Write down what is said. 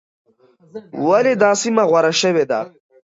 ولې دا سیمه غوره شوې ده؟